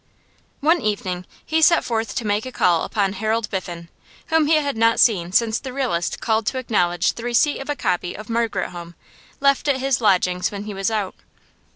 One evening he set forth to make a call upon Harold Biffen, whom he had not seen since the realist called to acknowledge the receipt of a copy of 'Margaret Home' left at his lodgings when he was out.